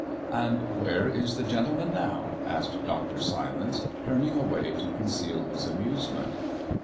"And where is the gentleman now?" asked Dr. Silence, turning away to conceal his amusement.